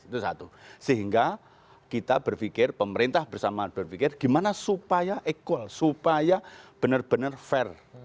itu satu sehingga kita berpikir pemerintah bersama berpikir gimana supaya equal supaya benar benar fair